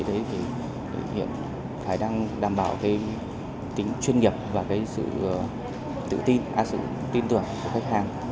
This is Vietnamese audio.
để hiện khả năng đảm bảo tính chuyên nghiệp và sự tin tưởng của khách hàng